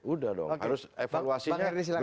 udah dong harus evaluasinya